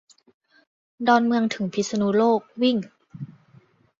ดอนเมืองถึงพิษณุโลกวิ่ง